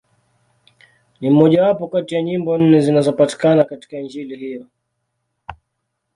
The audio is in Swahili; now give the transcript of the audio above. Ni mmojawapo kati ya nyimbo nne zinazopatikana katika Injili hiyo.